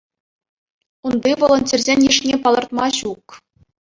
Унти волонтерсен йышне палӑртма ҫук.